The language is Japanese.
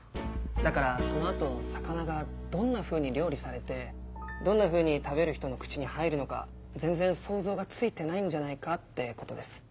だからその後魚がどんなふうに料理されてどんなふうに食べる人の口に入るのか全然想像がついてないんじゃないかってことです。